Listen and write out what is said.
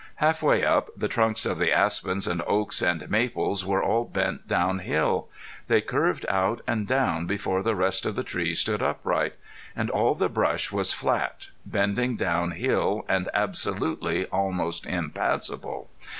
Half way up the trunks of the aspens and oaks and maples were all bent down hill. They curved out and down before the rest of the tree stood upright. And all the brush was flat, bending down hill, and absolutely almost impassable.